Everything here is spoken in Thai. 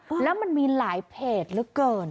แล้วมันมีหลายเพจเหลือเกิน